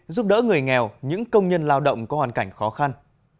giúp đỡ người nghèo những công nhân lao động có hoàn cảnh khó khăn